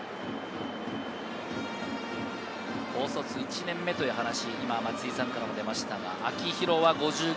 高卒１年目という話、今松井さんからも出ましたが、秋広は５５。